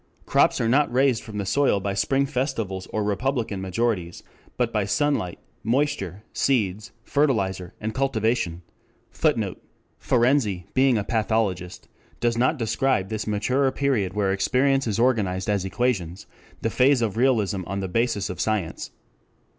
Crops are not raised from the soil by spring festivals or Republican majorities, but by sunlight, moisture, seeds, fertilizer, and cultivation. [Footnote: Ferenczi, being a pathologist, does not describe this maturer period where experience is organized as equations, the phase of realism on the basis of science.